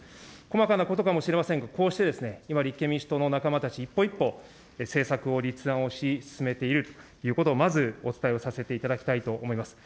細かなことかもしれませんが、こうして今、立憲民主党の仲間たち、一歩一歩、政策を立案をし、進めているということを、まず、お伝えさせていただきたいと思います。